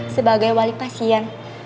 sebagai wali pasien